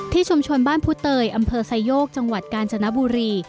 ชุมชนบ้านผู้เตยอำเภอไซโยกจังหวัดกาญจนบุรี